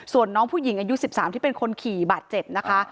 ส่วนน้องผู้หญิงอายุ๑๓ที่เป็นคนขี่บาดเจ็บนะคะ